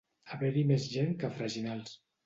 Haver-hi més gent que a Freginals.